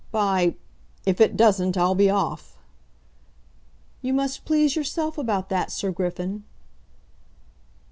"By , if it doesn't, I'll be off!" "You must please yourself about that, Sir Griffin."